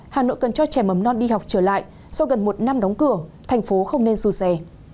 hà nội cần cho trẻ mầm non đi học trở lại sau gần một năm đóng cửa thành phố không nên du xe